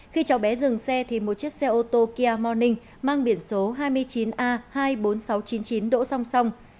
khi cháu bé dừng xe thì một chiếc xe ô tô kia morning mang biển số hai mươi chín a hai mươi bốn nghìn sáu trăm chín mươi chín đỗ song song